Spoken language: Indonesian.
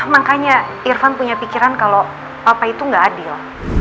makanya irfan punya pikiran kalau papa itu nggak adil